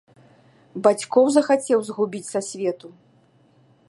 Бацькоў захацеў згубіць са свету?